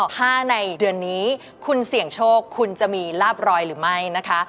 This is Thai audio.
ถ้าในเดือนนี้คุณเสี่ยงโชคคุณจะมีลาบรอยหรือไม่นะคะ